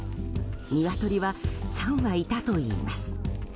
ニワトリは３羽いたといいます。